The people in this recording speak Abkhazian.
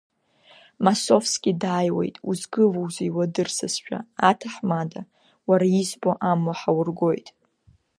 Масовски дааиуеит узгылоузеи уадырсызшәа, атаҳмада, уара избо амла ҳаургоит!